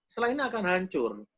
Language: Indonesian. setelah ini akan hancur